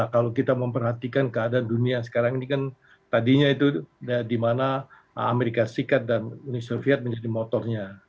kalau kita memperhatikan keadaan dunia sekarang ini kan tadinya itu di mana amerika serikat dan uni soviet menjadi motornya